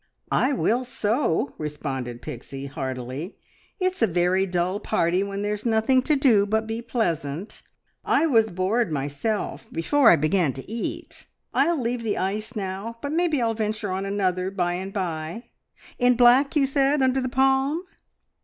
"I will so!" responded Pixie heartily. "It's a very dull party when there's nothing to do but be pleasant. I was bored myself, before I began to eat. I'll leave the ice now, but maybe I'll venture on another by and by. In black, you said, under the palm?"